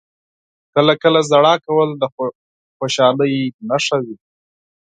• کله کله ژړا کول د خوشحالۍ نښه وي.